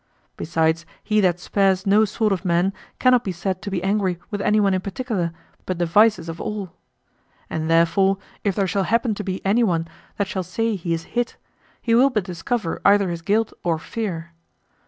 Besides, he that spares no sort of men cannot be said to be angry with anyone in particular, but the vices of all. And therefore, if there shall happen to be anyone that shall say he is hit, he will but discover either his guilt or fear.